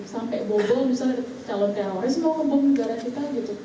sampai bobol misalnya calon teroris mau ngomong negara kita gitu